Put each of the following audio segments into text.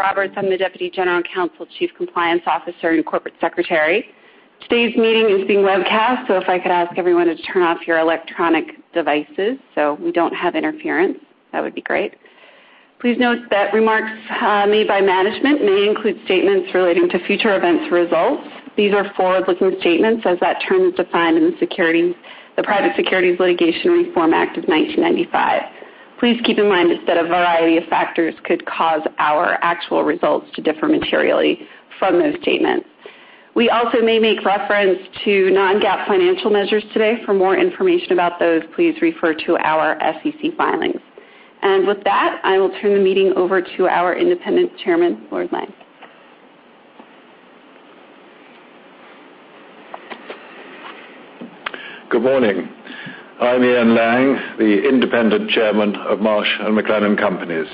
Roberts. I'm the Deputy General Counsel, Chief Compliance Officer, and Corporate Secretary. Today's meeting is being webcast. If I could ask everyone to turn off your electronic devices so we don't have interference, that would be great. Please note that remarks made by management may include statements relating to future events or results. These are forward-looking statements as that term is defined in the Private Securities Litigation Reform Act of 1995. Please keep in mind that a variety of factors could cause our actual results to differ materially from those statements. We also may make reference to non-GAAP financial measures today. For more information about those, please refer to our SEC filings. With that, I will turn the meeting over to our independent chairman, Lord Lang. Good morning. I'm Ian Lang, the independent chairman of Marsh & McLennan Companies.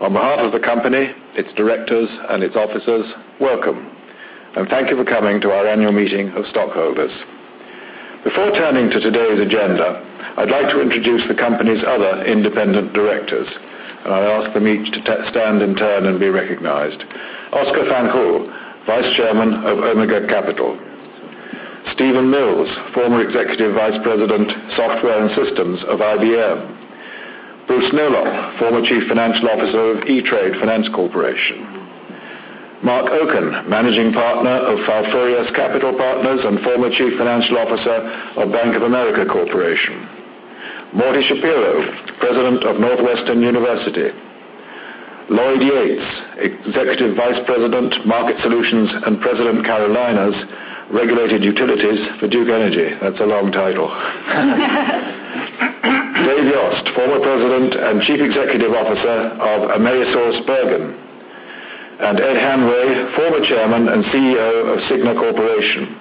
On behalf of the company, its directors, and its officers, welcome, and thank you for coming to our annual meeting of stockholders. Before turning to today's agenda, I'd like to introduce the company's other independent directors. I'll ask them each to stand in turn and be recognized. Óscar Fanjul, Vice Chairman of Omega Capital. Steven Mills, former Executive Vice President, Software and Systems of IBM. Bruce Nolop, former Chief Financial Officer of E*TRADE Financial Corporation. Marc Oken, Managing Partner of Falfurrias Capital Partners and former Chief Financial Officer of Bank of America Corporation. Morton Schapiro, President of Northwestern University. Lloyd Yates, Executive Vice President, Market Solutions, and President, Carolinas Regulated Utilities for Duke Energy. That's a long title. Dave Yost, former President and Chief Executive Officer of AmerisourceBergen. Ed Hanway, former Chairman and CEO of Cigna Corporation.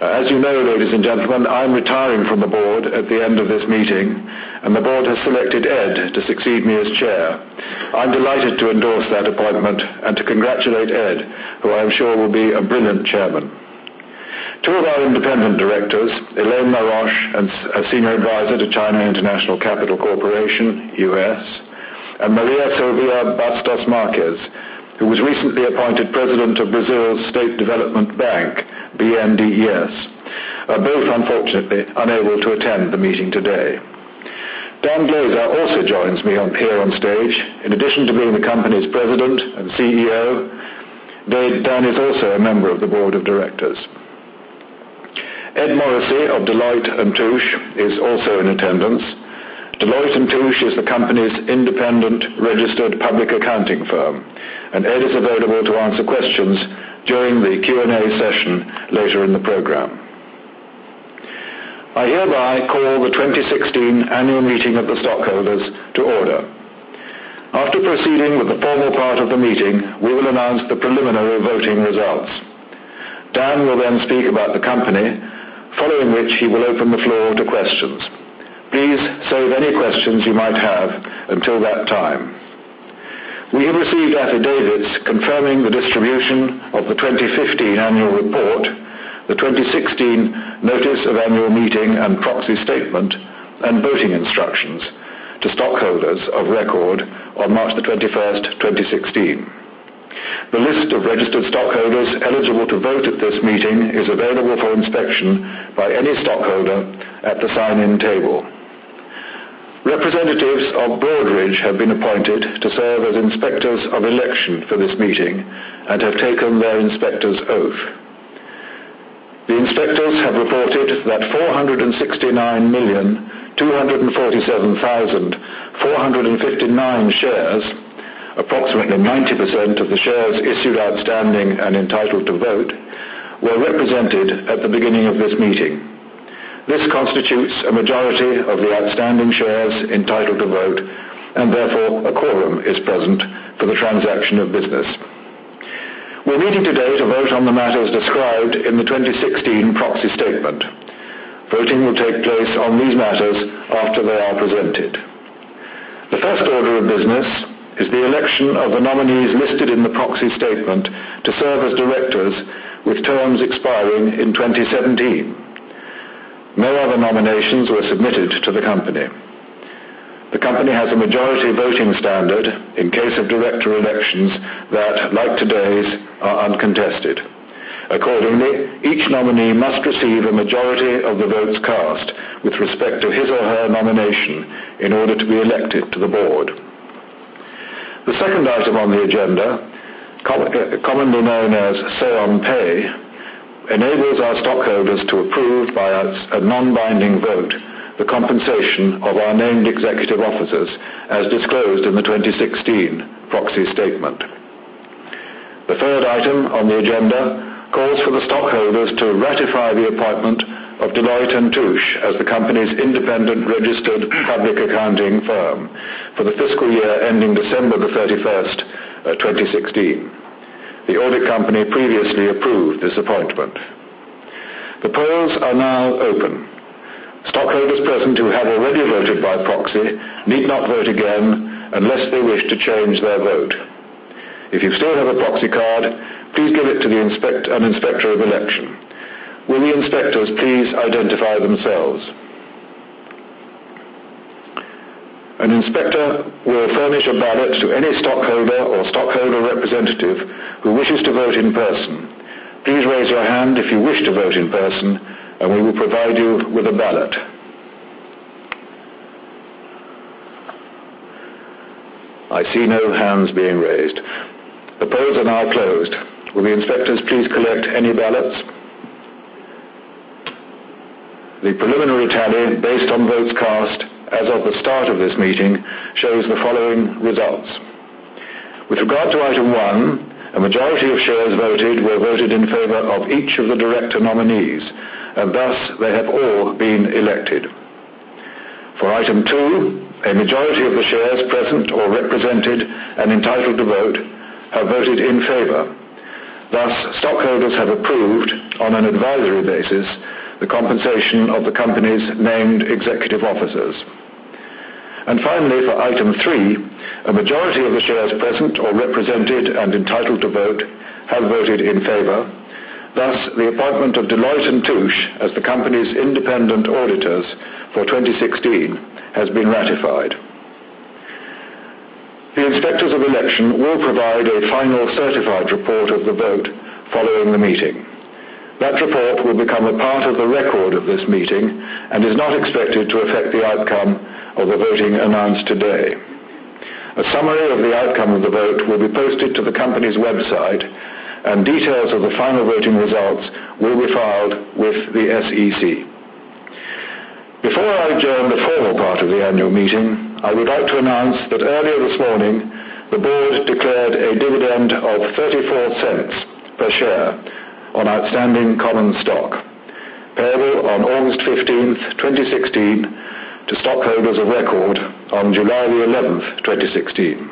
As you know, ladies and gentlemen, I'm retiring from the board at the end of this meeting. The board has selected Ed to succeed me as chair. I'm delighted to endorse that appointment and to congratulate Ed, who I am sure will be a brilliant chairman. Two of our independent directors, Hélène Ploix, a Senior Advisor to China International Capital Corporation (US), and Maria Silvia Bastos Marques, who was recently appointed President of Brazil's State Development Bank, BNDES, are both unfortunately unable to attend the meeting today. Dan Glaser also joins me here on stage. In addition to being the company's President and CEO, Dan is also a member of the board of directors. Ed Morrissey of Deloitte & Touche is also in attendance. Deloitte & Touche is the company's independent registered public accounting firm. Ed is available to answer questions during the Q&A session later in the program. I hereby call the 2016 annual meeting of the stockholders to order. After proceeding with the formal part of the meeting, we will announce the preliminary voting results. Dan will speak about the company, following which he will open the floor to questions. Please save any questions you might have until that time. We have received affidavits confirming the distribution of the 2015 annual report, the 2016 notice of annual meeting and proxy statement, and voting instructions to stockholders of record on March the 21st, 2016. The list of registered stockholders eligible to vote at this meeting is available for inspection by any stockholder at the sign-in table. Representatives of Broadridge have been appointed to serve as inspectors of election for this meeting and have taken their inspector's oath. The inspectors have reported that 469,247,459 shares, approximately 90% of the shares issued, outstanding, and entitled to vote, were represented at the beginning of this meeting. This constitutes a majority of the outstanding shares entitled to vote, and therefore a quorum is present for the transaction of business. We're meeting today to vote on the matters described in the 2016 proxy statement. Voting will take place on these matters after they are presented. The first order of business is the election of the nominees listed in the proxy statement to serve as directors with terms expiring in 2017. No other nominations were submitted to the company. The company has a majority voting standard in case of director elections that, like today's, are uncontested. Accordingly, each nominee must receive a majority of the votes cast with respect to his or her nomination in order to be elected to the board. The second item on the agenda, commonly known as say on pay, enables our stockholders to approve by a non-binding vote the compensation of our named executive officers, as disclosed in the 2016 proxy statement. The third item on the agenda calls for the stockholders to ratify the appointment of Deloitte & Touche as the company's independent registered public accounting firm for the fiscal year ending December 31st, 2016. The audit company previously approved this appointment. The polls are now open. Stockholders present who have already voted by proxy need not vote again unless they wish to change their vote. If you still have a proxy card, please give it to an inspector of election. Will the inspectors please identify themselves? An inspector will furnish a ballot to any stockholder or stockholder representative who wishes to vote in person. Please raise your hand if you wish to vote in person, and we will provide you with a ballot. I see no hands being raised. The polls are now closed. Will the inspectors please collect any ballots? The preliminary tally based on votes cast as of the start of this meeting shows the following results. With regard to item one, a majority of shares voted were voted in favor of each of the director nominees, and thus they have all been elected. For item two, a majority of the shares present or represented and entitled to vote have voted in favor. Thus, stockholders have approved, on an advisory basis, the compensation of the company's named executive officers. Finally, for item three, a majority of the shares present or represented and entitled to vote have voted in favor. Thus, the appointment of Deloitte & Touche as the company's independent auditors for 2016 has been ratified. The Inspectors of Election will provide a final certified report of the vote following the meeting. That report will become a part of the record of this meeting and is not expected to affect the outcome of the voting announced today. A summary of the outcome of the vote will be posted to the company's website, and details of the final voting results will be filed with the SEC. Before I adjourn the formal part of the annual meeting, I would like to announce that earlier this morning, the board declared a dividend of $0.34 per share on outstanding common stock, payable on August 15th, 2016, to stockholders of record on July the 11th, 2016.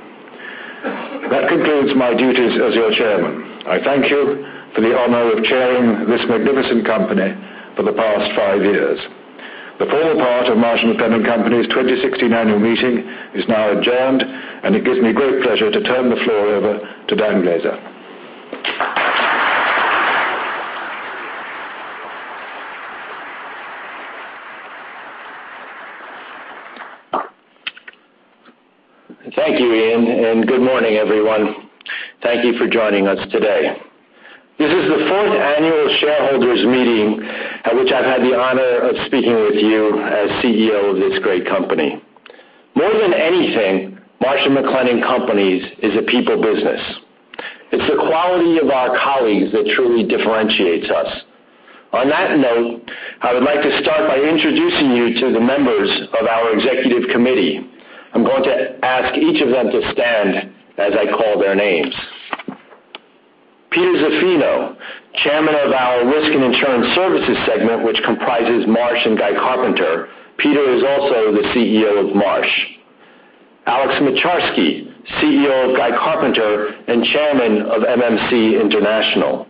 That concludes my duties as your chairman. I thank you for the honor of chairing this magnificent company for the past five years. The formal part of Marsh & McLennan Companies' 2016 annual meeting is now adjourned. It gives me great pleasure to turn the floor over to Dan Glaser. Thank you, Ian. Good morning, everyone. Thank you for joining us today. This is the fourth annual shareholders meeting at which I've had the honor of speaking with you as CEO of this great company. More than anything, Marsh & McLennan Companies is a people business. It's the quality of our colleagues that truly differentiates us. On that note, I would like to start by introducing you to the members of our Executive Committee. I'm going to ask each of them to stand as I call their names. Peter Zaffino, Chairman of our Risk and Insurance Services segment, which comprises Marsh & Guy Carpenter. Peter is also the CEO of Marsh. Alex Moczarski, CEO of Guy Carpenter and Chairman of MMC International.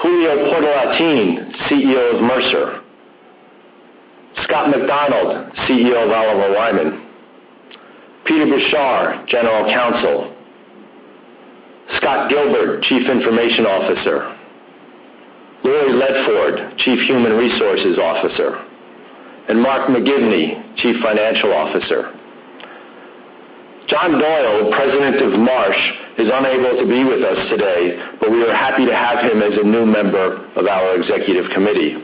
Julio Portalatin, CEO of Mercer. Scott McDonald, CEO of Oliver Wyman. Peter Beshar, General Counsel. Scott Gilbert, Chief Information Officer. Laurie Ledford, Chief Human Resources Officer, and Mark McGivney, Chief Financial Officer. John Doyle, President of Marsh, is unable to be with us today. We are happy to have him as a new member of our Executive Committee.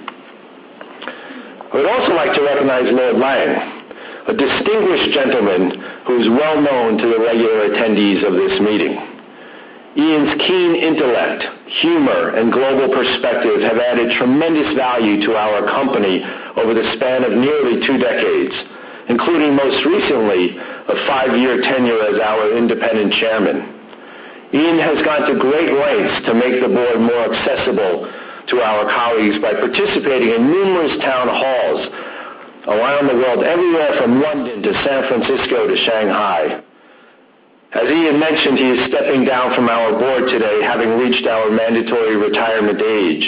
I would also like to recognize Lord Lang, a distinguished gentleman who's well-known to the regular attendees of this meeting. Ian's keen intellect, humor, and global perspective have added tremendous value to our company over the span of nearly two decades, including, most recently, a five-year tenure as our Independent Chairman. Ian has gone to great lengths to make the board more accessible to our colleagues by participating in numerous town halls around the world, everywhere from London to San Francisco to Shanghai. As Ian mentioned, he is stepping down from our board today, having reached our mandatory retirement age.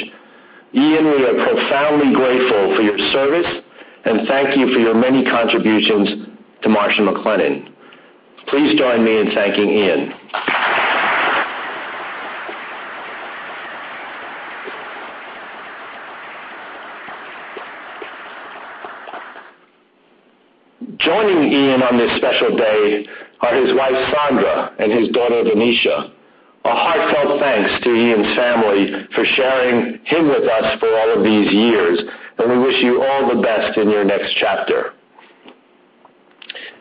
Ian, we are profoundly grateful for your service. Thank you for your many contributions to Marsh & McLennan. Please join me in thanking Ian. Joining Ian on this special day are his wife, Sandra, and his daughter, Venetia. A heartfelt thanks to Ian's family for sharing him with us for all of these years, and we wish you all the best in your next chapter.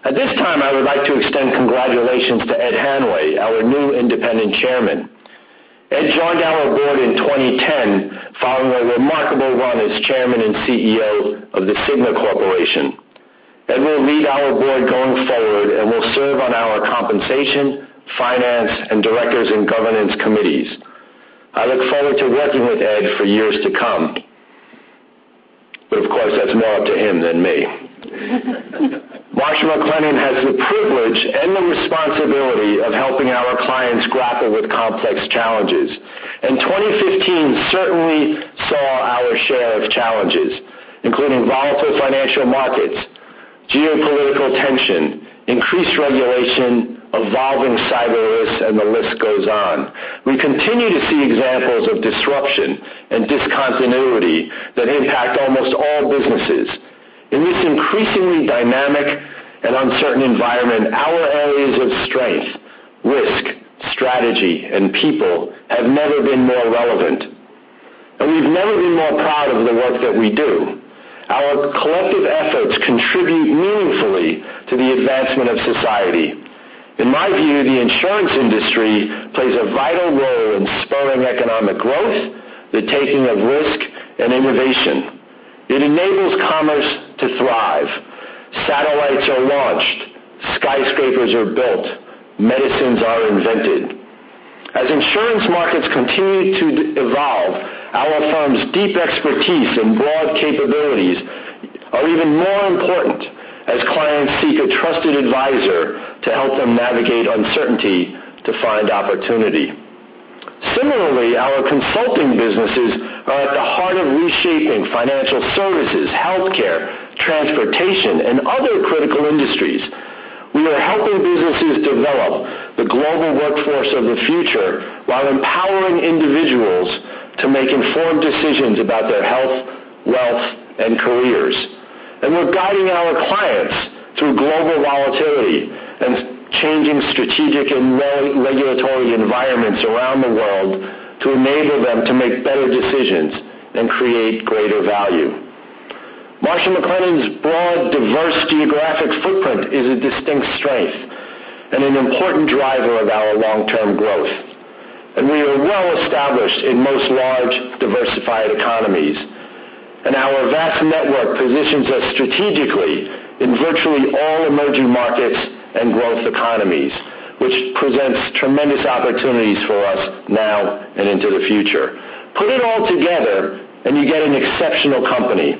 At this time, I would like to extend congratulations to Ed Hanway, our new Independent Chairman. Ed joined our board in 2010 following a remarkable run as Chairman and CEO of the Cigna Corporation. Ed will lead our board going forward and will serve on our compensation, finance, and directors and governance committees. I look forward to working with Ed for years to come. Of course, that's more up to him than me. Marsh & McLennan has the privilege and the responsibility of helping our clients grapple with complex challenges. 2015 certainly saw our share of challenges, including volatile financial markets, geopolitical tension, increased regulation, evolving cyber risks, and the list goes on. We continue to see examples of disruption and discontinuity that impact almost all businesses. In this increasingly dynamic and uncertain environment, our areas of strength, risk, strategy, and people have never been more relevant, and we've never been more proud of the work that we do. Our collective efforts contribute meaningfully to the advancement of society. In my view, the insurance industry plays a vital role in spurring economic growth, the taking of risk, and innovation. It enables commerce to thrive. Satellites are launched, skyscrapers are built, medicines are invented. As insurance markets continue to evolve, our firm's deep expertise and broad capabilities are even more important as clients seek a trusted advisor to help them navigate uncertainty to find opportunity. Similarly, our consulting businesses are at the heart of reshaping financial services, healthcare, transportation, and other critical industries. We are helping businesses develop the global workforce of the future while empowering individuals to make informed decisions about their health, wealth, and careers. We're guiding our clients through global volatility and changing strategic and regulatory environments around the world to enable them to make better decisions and create greater value. Marsh & McLennan's broad, diverse geographic footprint is a distinct strength and an important driver of our long-term growth, and we are well established in most large, diversified economies. Our vast network positions us strategically in virtually all emerging markets and growth economies, which presents tremendous opportunities for us now and into the future. Put it all together and you get an exceptional company,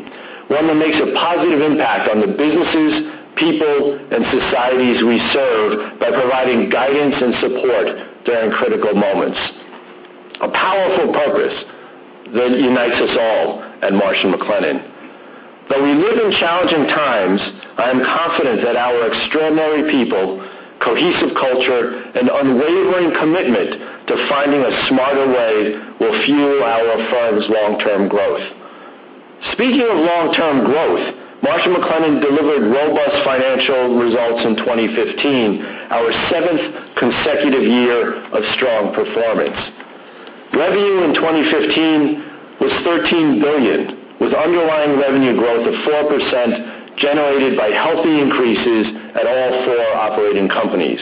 one that makes a positive impact on the businesses, people, and societies we serve by providing guidance and support during critical moments. A powerful purpose that unites us all at Marsh & McLennan. Though we live in challenging times, I am confident that our extraordinary people, cohesive culture, and unwavering commitment to finding a smarter way will fuel our firm's long-term growth. Speaking of long-term growth, Marsh & McLennan delivered robust financial results in 2015, our seventh consecutive year of strong performance. Revenue in 2015 was $13 billion, with underlying revenue growth of 4% generated by healthy increases at all four operating companies.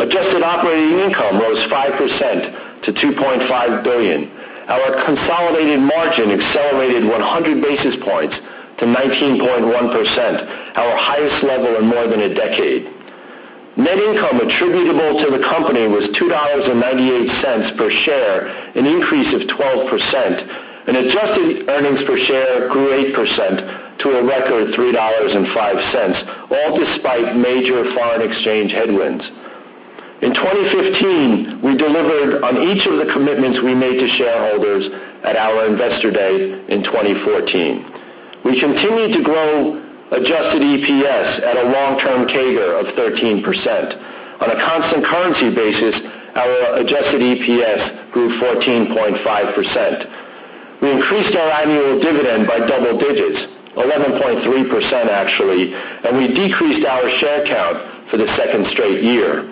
Adjusted operating income rose 5% to $2.5 billion. Our consolidated margin accelerated 100 basis points to 19.1%, our highest level in more than a decade. Net income attributable to the company was $2.98 per share, an increase of 12%, and adjusted earnings per share grew 8% to a record $3.05, all despite major foreign exchange headwinds. In 2015, we delivered on each of the commitments we made to shareholders at our investor day in 2014. We continued to grow adjusted EPS at a long-term CAGR of 13%. On a constant currency basis, our adjusted EPS grew 14.5%. We increased our annual dividend by double digits, 11.3%, actually, and we decreased our share count for the second straight year.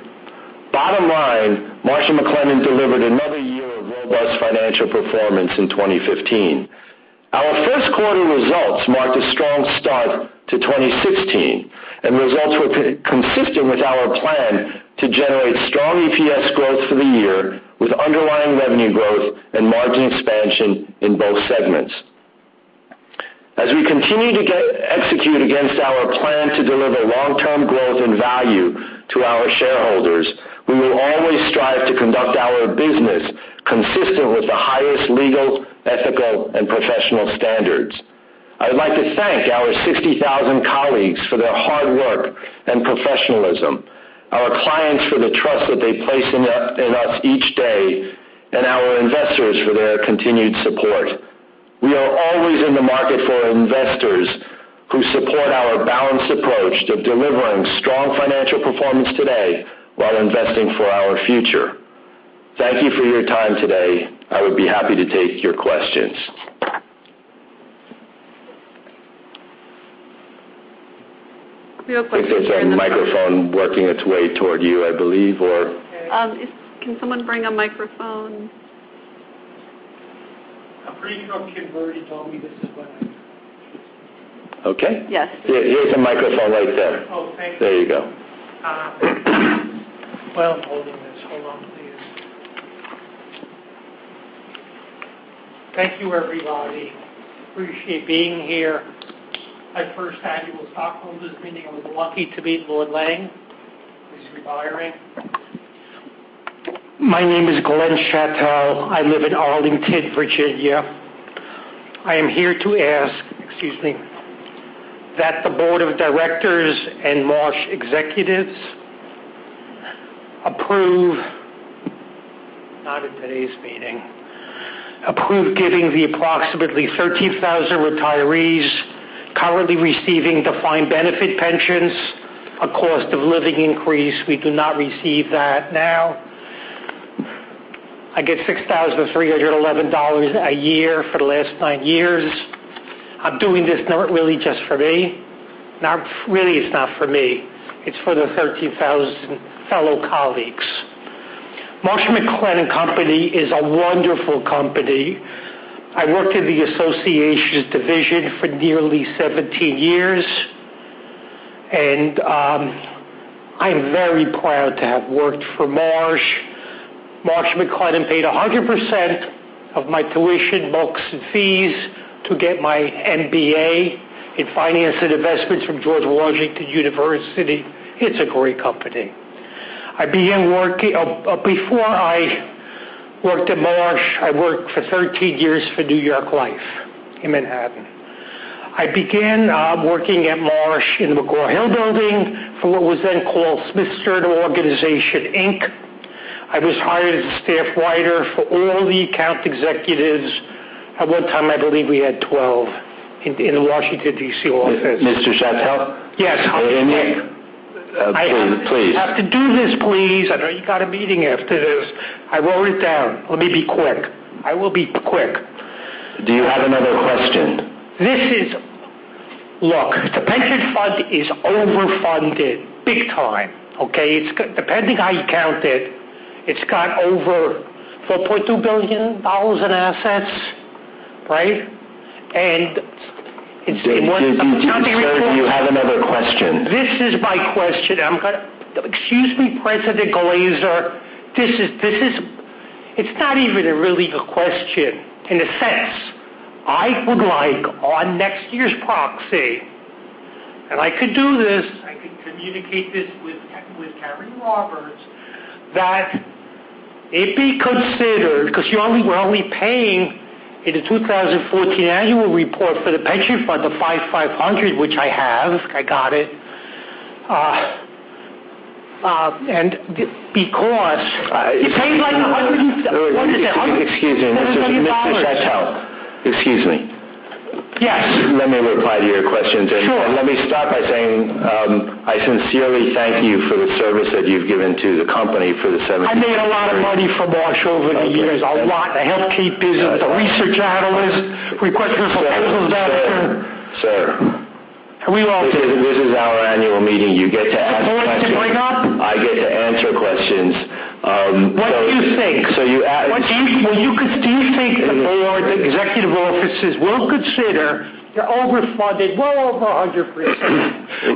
Bottom line, Marsh & McLennan delivered another year of robust financial performance in 2015. Our first quarter results marked a strong start to 2016, and results were consistent with our plan to generate strong EPS growth for the year, with underlying revenue growth and margin expansion in both segments. As we continue to execute against our plan to deliver long-term growth and value to our shareholders, we will always strive to conduct our business consistent with the highest legal, ethical, and professional standards. I'd like to thank our 60,000 colleagues for their hard work and professionalism, our clients for the trust that they place in us each day, and our investors for their continued support. We are always in the market for investors who support our balanced approach to delivering strong financial performance today while investing for our future. Thank you for your time today. I would be happy to take your questions. We have I think there's a microphone working its way toward you, I believe. Okay. Can someone bring a microphone? A pre-adult kid already told me this is what I Okay. Yes. Yeah, here's a microphone right there. Oh, thank you. There you go. While I'm holding this, hold on, please. Thank you, everybody. Appreciate being here. My first annual stockholders' meeting. I was lucky to meet Lord Lang, who's retiring. My name is Glenn Chatel. I live in Arlington, D.C. I am here to ask, excuse me, that the board of directors and Marsh executives, not at today's meeting, approved giving the approximately 13,000 retirees currently receiving defined benefit pensions a cost of living increase. We do not receive that now. I get $6,311 a year for the last nine years. I'm doing this not really just for me. Really, it's not for me. It's for the 13,000 fellow colleagues. Marsh & McLennan company is a wonderful company. I worked in the associations division for nearly 17 years, and I'm very proud to have worked for Marsh. Marsh & McLennan paid 100% of my tuition, books, and fees to get my MBA in finance and investments from George Washington University. It's a great company. Before I worked at Marsh, I worked for 13 years for New York Life in Manhattan. I began working at Marsh in the McGraw-Hill Building for what was then called Smith-Sternau Organization, Inc. I was hired as a staff writer for all the account executives. At one time, I believe we had 12 in the Washington, D.C. office. Mr. Chatel? Yes. Can you hear me? Please. I have to do this, please. I know you got a meeting after this. I wrote it down. Let me be quick. I will be quick. Do you have another question? Look, the pension fund is over-funded big time, okay? Depending how you count it's got over $4.2 billion in assets, right? Sir, do you have another question? This is my question. Excuse me, President Glaser. It's not even really a question in a sense. I would like on next year's proxy, I could do this, I could communicate this with Carey Roberts, that it be considered, because we're only paying in the 2014 annual report for the pension fund, the 5,500, which I have. I got it. I- You paid like 100 and What is it? Excuse me, Mr. Chatel. Excuse me. Yes. Let me reply to your questions. Sure. Let me start by saying, I sincerely thank you for the service that you've given to the company for the 17- I made a lot of money for Marsh over the years. A lot. The health care business, the research analyst, request for proposals doctor. Sir. We all did. This is our annual meeting. You get to ask questions. The board did not? I get to answer questions. What do you think? You. Do you think the board executive offices will consider the over-funded well over 100%? You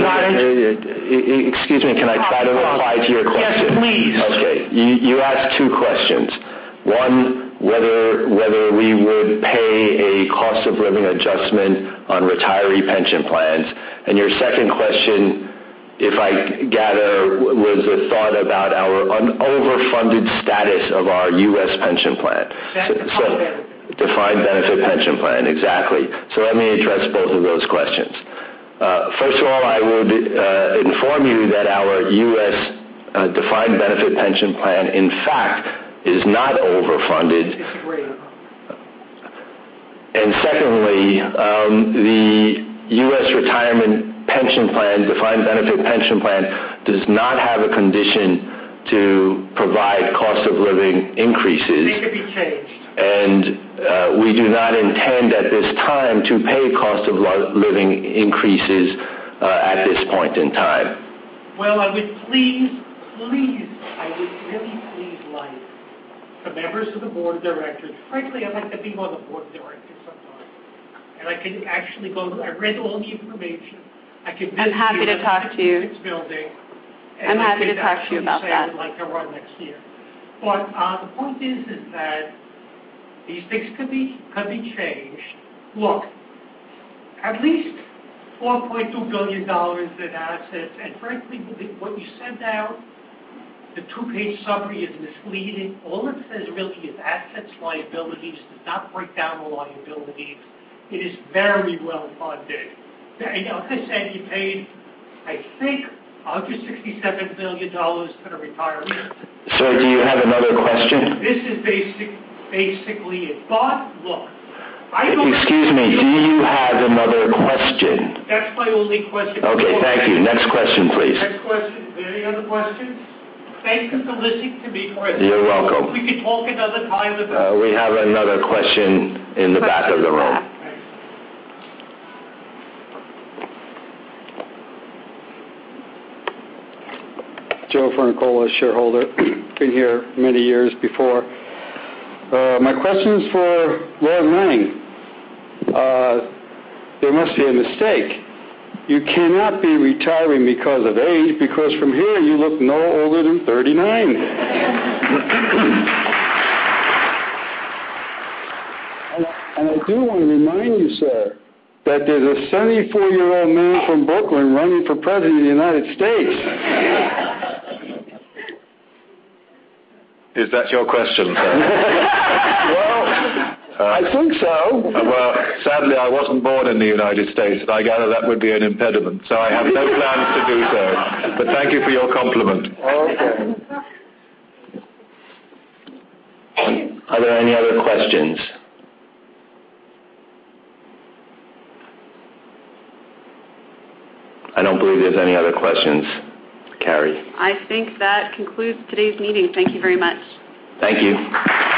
got it. Excuse me. Can I try to reply to your question? Yes, please. Okay. You asked two questions. One, whether we would pay a cost of living adjustment on retiree pension plans, and your second question, if I gather, was a thought about our over-funded status of our U.S. pension plan. Defined benefit. Defined benefit pension plan. Exactly. Let me address both of those questions. First of all, I would inform you that our U.S. defined benefit pension plan, in fact, is not over-funded. Agreed. Secondly, the U.S. retirement pension plan, defined benefit pension plan, does not have a condition to provide cost of living increases. It could be changed. We do not intend at this time to pay cost of living increases at this point in time. I would please, I would really please like the members of the board of directors. Frankly, I'd like to be on the board of directors sometime, and I can actually go I read all the information. I'm happy to talk to you. I'm happy to talk to you about that. I'd like to run next year. The point is that these things could be changed. Look, at least $4.2 billion in assets, and frankly, what you sent out, the two-page summary is misleading. All it says really is assets, liabilities. It does not break down the liabilities. It is very well-funded. Like I said, you paid, I think, $167 million to the retirees. Sir, do you have another question? This is basically a thought. Excuse me. Do you have another question? That's my only question. Okay. Thank you. Next question, please. Next question. Do we have any other questions? Thank you for listening to me, President. You're welcome. We could talk another time about. We have another question in the back of the room. Thanks. Joe Francola, shareholder. Been here many years before. My question is for Lord Lang. There must be a mistake. You cannot be retiring because of age, because from here you look no older than 39. I do want to remind you, sir, that there's a 74-year-old man from Brooklyn running for president of the United States. Is that your question, sir? Well, I think so. Sadly, I wasn't born in the United States, and I gather that would be an impediment, so I have no plans to do so. Thank you for your compliment. Okay. Are there any other questions? I don't believe there's any other questions, Carey. I think that concludes today's meeting. Thank you very much. Thank you.